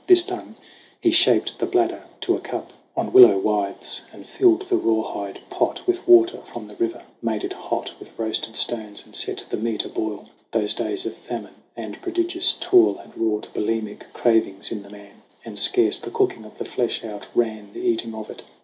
This done, he shaped the bladder to a cup 88 SONG OF HUGH GLASS On willow withes, and filled the rawhide pot With water from the river made it hot With roasted stones, and set the meat a boil. Those days of famine and prodigious toil Had wrought bulimic cravings in the man, And scarce the cooking of the flesh outran The eating of it.